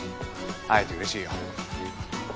会えて嬉しいよ。